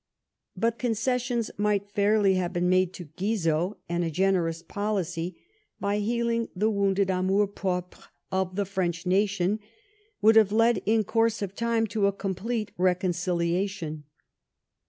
But concessions might fairly have been made to Guizot; and a generous policy, by healing the wounded amour propre of the French nation, would have led in course of time to a complete reconciliation.